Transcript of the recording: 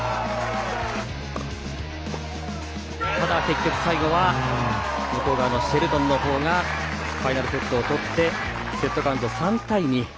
ただ結局、最後は向こう側のシェルトンの方がファイナルセットを取ってセットカウント３対２。